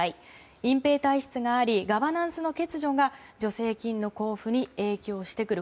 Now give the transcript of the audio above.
隠蔽体質がありガバナンスの欠如が助成金の交付に影響してくる。